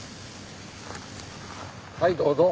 はいどうぞ。